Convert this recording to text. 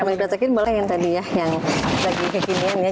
sama iba tekin boleh yang tadi ya yang lagi kekinian ya